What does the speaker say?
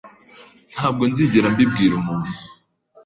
Ntabwo nzigera mbibwira umuntu.